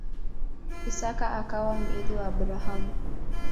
Isaka akawa mrithi wa Abrahamu.